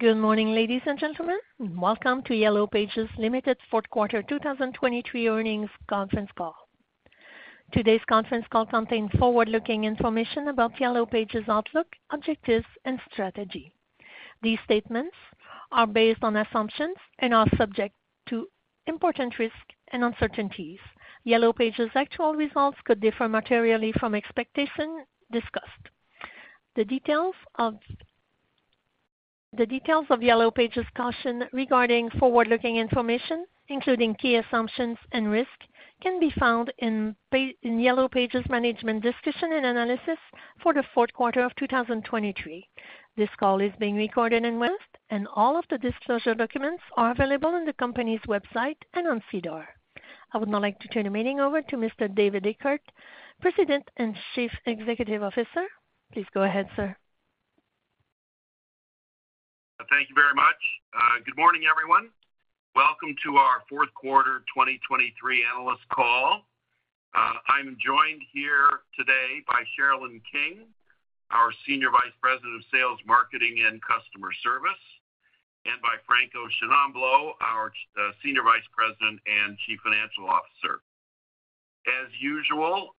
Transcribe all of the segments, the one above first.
Good morning, ladies and gentlemen. Welcome to Yellow Pages Limited's Q4 2023 earnings conference call. Today's conference call contains forward-looking information about Yellow Pages' outlook, objectives, and strategy. These statements are based on assumptions and are subject to important risk and uncertainties. Yellow Pages' actual results could differ materially from expectations discussed. The details of Yellow Pages' caution regarding forward-looking information, including key assumptions and risk, can be found in Yellow Pages' Management's Discussion and Analysis for the Q4 of 2023. This call is being recorded. And all of the disclosure documents are available on the company's website and on SEDAR+. I would now like to turn the meeting over to Mr. David Eckert, President and Chief Executive Officer. Please go ahead, sir. Thank you very much. Good morning, everyone. Welcome to our Q4 2023 analyst call. I'm joined here today by Sherilyn King, our Senior Vice President of Sales, Marketing, and Customer Service, and by Franco Sciannamblo, our Senior Vice President and Chief Financial Officer. As usual,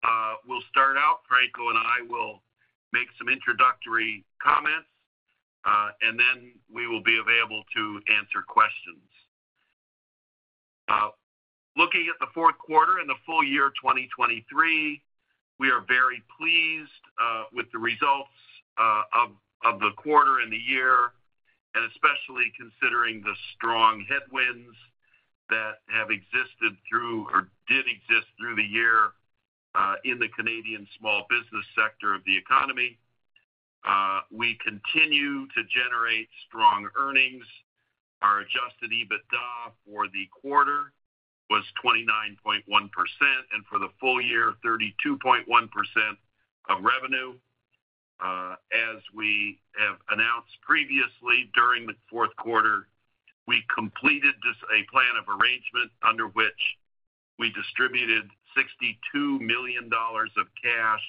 we'll start out. Franco and I will make some introductory comments and then we will be available to answer questions. Looking at the Q4 and the full year 2023, we are very pleased with the results of the quarter and the year, and especially considering the strong headwinds that have existed through or did exist through the year in the Canadian small business sector of the economy. We continue to generate strong earnings. Our Adjusted EBITDA for the quarter was 29.1% and for the full year, 32.1% of revenue. As we have announced previously, during the Q4, we completed a plan of arrangement under which we distributed 62 million dollars of cash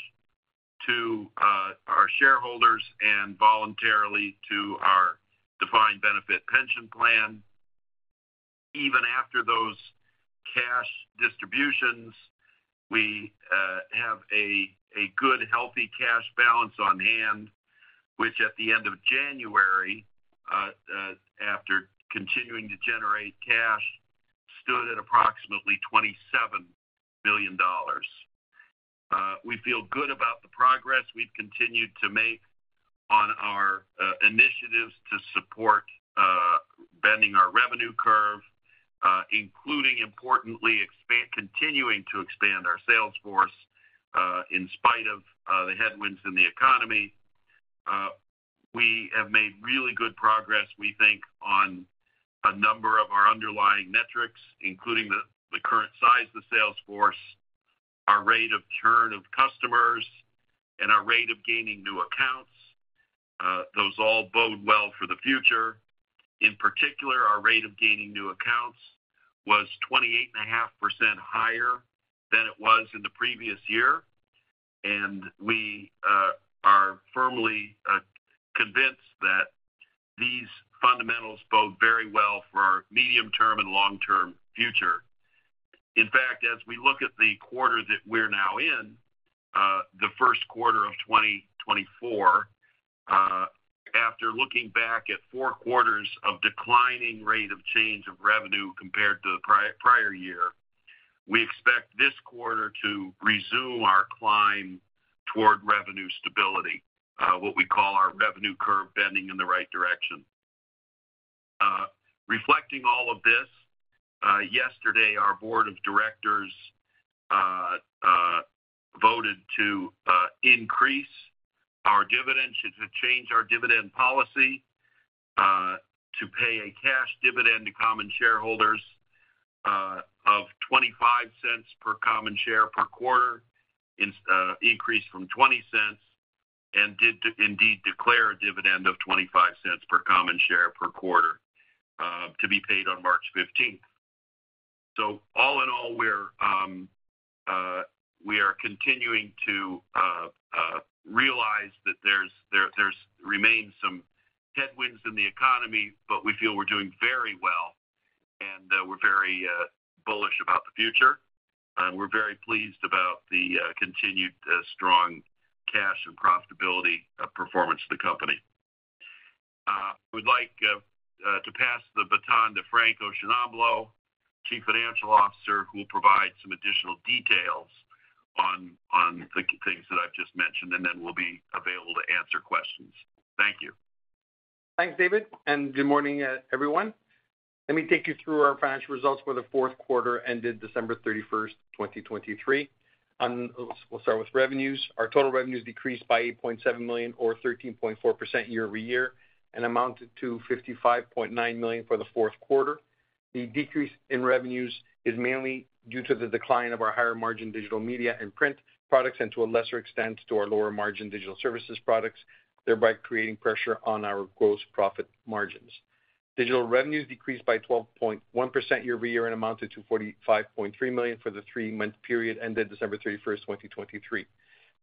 to our shareholders and voluntarily to our defined benefit pension plan. Even after those cash distributions, we have a good, healthy cash balance on hand, which at the end of January, after continuing to generate cash, stood at approximately 27 million dollars. We feel good about the progress we've continued to make on our initiatives to support bending our revenue curve, including importantly continuing to expand our sales force in spite of the headwinds in the economy. We have made really good progress, we think, on a number of our underlying metrics, including the current size of the sales force, our rate of churn of customers, and our rate of gaining new accounts. Those all bode well for the future. In particular, our rate of gaining new accounts was 28.5% higher than it was in the previous year, and we are firmly convinced that these fundamentals bode very well for our medium-term and long-term future. In fact, as we look at the quarter that we're now in, the Q1 of 2024, after looking back at four quarters of declining rate of change of revenue compared to the prior year, we expect this quarter to resume our climb toward revenue stability, what we call our revenue curve bending in the right direction. Reflecting all of this, yesterday our board of directors voted to increase our dividends, to change our dividend policy, to pay a cash dividend to common shareholders of 0.25 per common share per quarter, increased from 0.20, and did indeed declare a dividend of 0.25 per common share per quarter to be paid on March 15th. So all in all, we are continuing to realize that there remain some headwinds in the economy, but we feel we're doing very well and we're very bullish about the future. We're very pleased about the continued strong cash and profitability performance of the company. I would like to pass the baton to Franco Sciannamblo, Chief Financial Officer, who will provide some additional details on the things that I've just mentioned, and then we'll be available to answer questions. Thank you. Thanks, David, and good morning, everyone. Let me take you through our financial results for the Q4 ended December 31st, 2023. We'll start with revenues. Our total revenues decreased by 8.7 million or 13.4% year-over-year and amounted to 55.9 million for the Q4. The decrease in revenues is mainly due to the decline of our higher margin digital media and print products and to a lesser extent to our lower margin digital services products, thereby creating pressure on our gross profit margins. Digital revenues decreased by 12.1% year-over-year and amounted to 45.3 million for the three-month period ended December 31st, 2023.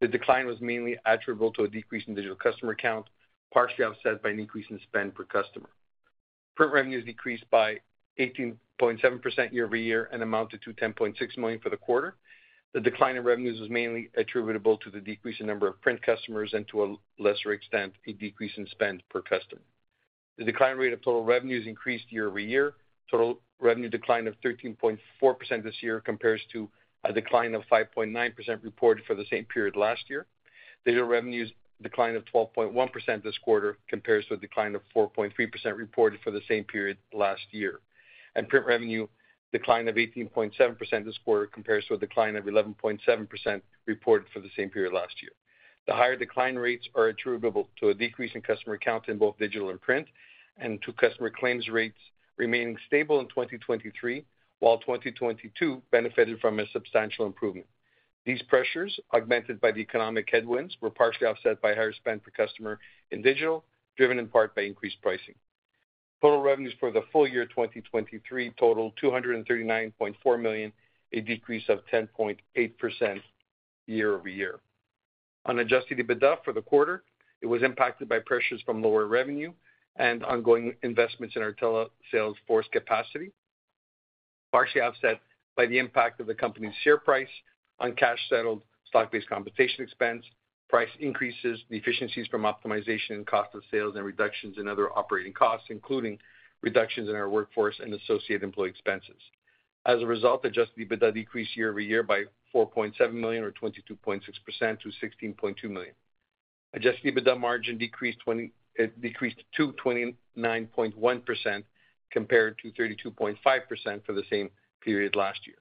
The decline was mainly attributable to a decrease in digital customer count, partially offset by an increase in spend per customer. Print revenues decreased by 18.7% year-over-year and amounted to 10.6 million for the quarter. The decline in revenues was mainly attributable to the decrease in number of print customers and to a lesser extent a decrease in spend per customer. The decline rate of total revenues increased year-over-year. Total revenue decline of 13.4% this year compares to a decline of 5.9% reported for the same period last year. Digital revenues decline of 12.1% this quarter compares to a decline of 4.3% reported for the same period last year. Print revenue decline of 18.7% this quarter compares to a decline of 11.7% reported for the same period last year. The higher decline rates are attributable to a decrease in customer count in both digital and print and to customer claims rates remaining stable in 2023 while 2022 benefited from a substantial improvement. These pressures, augmented by the economic headwinds, were partially offset by higher spend per customer in digital, driven in part by increased pricing. Total revenues for the full year 2023 totaled 239.4 million, a decrease of 10.8% year-over-year. On Adjusted EBITDA for the quarter, it was impacted by pressures from lower revenue and ongoing investments in our telesales force capacity, partially offset by the impact of the company's share price on cash-settled stock-based compensation expense, price increases, deficiencies from optimization and cost of sales, and reductions in other operating costs, including reductions in our workforce and associated employee expenses. As a result, Adjusted EBITDA decreased year-over-year by 4.7 million or 22.6% to 16.2 million. Adjusted EBITDA margin decreased to 29.1% compared to 32.5% for the same period last year.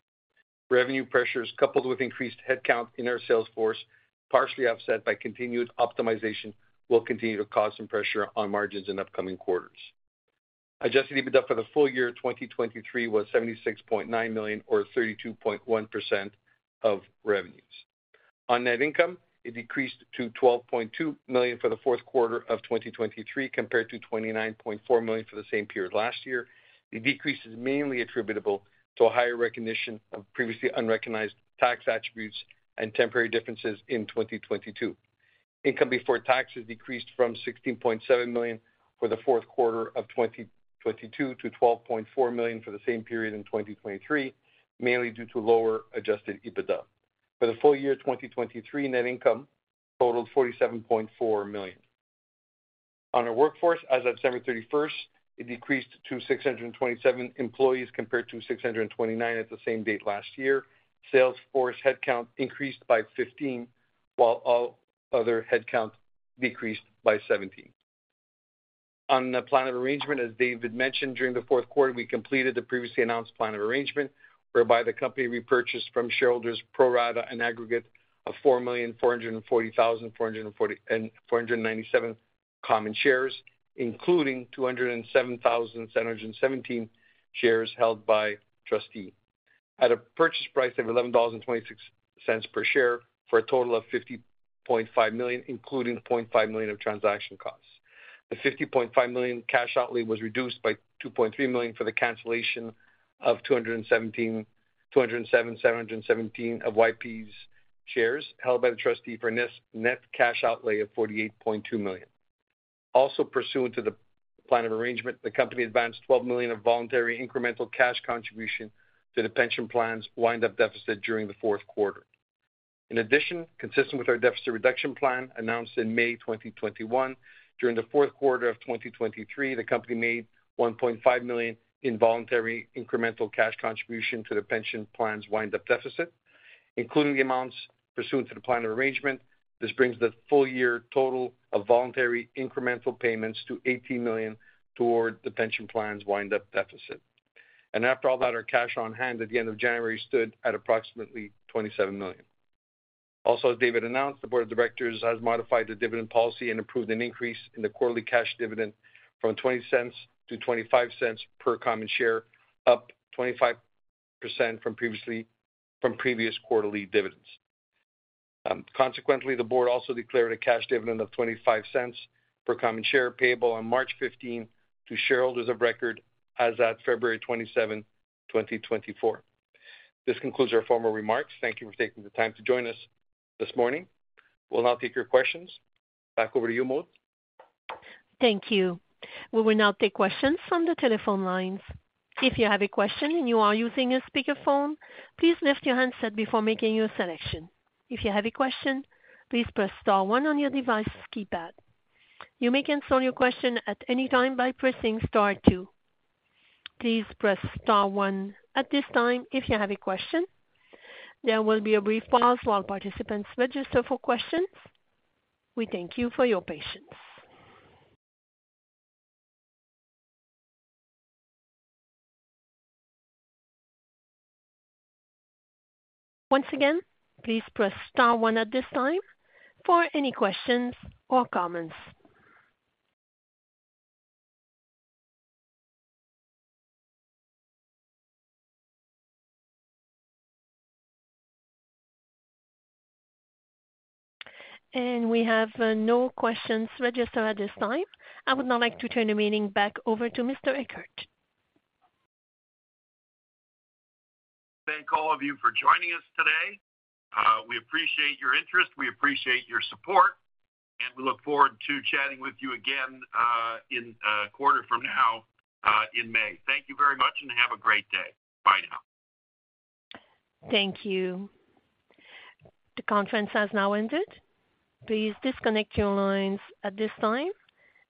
Revenue pressures coupled with increased headcount in our sales force, partially offset by continued optimization, will continue to cause some pressure on margins in upcoming quarters. Adjusted EBITDA for the full year 2023 was 76.9 million or 32.1% of revenues. On net income, it decreased to 12.2 million for the Q4 of 2023 compared to 29.4 million for the same period last year. The decrease is mainly attributable to a higher recognition of previously unrecognized tax attributes and temporary differences in 2022. Income before taxes decreased from 16.7 million for the Q4 of 2022 to 12.4 million for the same period in 2023, mainly due to lower adjusted EBITDA. For the full year 2023, net income totaled 47.4 million. On our workforce, as of December 31st, it decreased to 627 employees compared to 629 at the same date last year. Sales force headcount increased by 15 while all other headcount decreased by 17. On the plan of arrangement, as David mentioned, during the Q4, we completed the previously announced plan of arrangement whereby the company repurchased from shareholders pro rata and aggregate of 4,440,497 common shares, including 207,717 shares held by trustee, at a purchase price of 11.26 dollars per share for a total of 50.5 million, including 0.5 million of transaction costs. The 50.5 million cash outlay was reduced by 2.3 million for the cancellation of 207,717 of YP's shares held by the trustee for a net cash outlay of 48.2 million. Also pursuant to the plan of arrangement, the company advanced 12 million of voluntary incremental cash contribution to the pension plans wind-up deficit during the Q4. In addition, consistent with our deficit reduction plan announced in May 2021, during the Q4 of 2023, the company made 1.5 million in voluntary incremental cash contribution to the pension plans wind-up deficit, including the amounts pursuant to the plan of arrangement. This brings the full year total of voluntary incremental payments to 18 million toward the pension plans wind-up deficit. After all that, our cash on hand at the end of January stood at approximately 27 million. Also, as David announced, the board of directors has modified the dividend policy and approved an increase in the quarterly cash dividend from 0.20 to 0.25 per common share, up 25% from previous quarterly dividends. Consequently, the board also declared a cash dividend of 0.25 per common share payable on March 15th to shareholders of record as of February 27, 2024. This concludes our formal remarks. Thank you for taking the time to join us this morning. We will now take your questions. Back over to you, Maud. Thank you. We will now take questions from the telephone lines. If you have a question and you are using a speakerphone, please lift your handset before making your selection. If you have a question, please press star one on your device's keypad. You may answer your question at any time by pressing star two. Please press star one at this time if you have a question. There will be a brief pause while participants register for questions. We thank you for your patience. Once again, please press star one at this time for any questions or comments. We have no questions registered at this time. I would now like to turn the meeting back over to Mr. Eckert. Thank all of you for joining us today. We appreciate your interest. We appreciate your support, and we look forward to chatting with you again in a quarter from now in May. Thank you very much and have a great day. Bye now. Thank you. The conference has now ended. Please disconnect your lines at this time,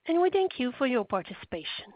and we thank you for your participation.